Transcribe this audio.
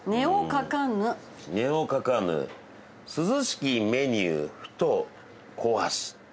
「値を書かぬ涼しきメニューふと恐し」